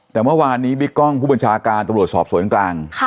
แต่เมื่อวานนี้บิ๊กกล้องผู้บัญชาการตำรวจสอบสวนกลาง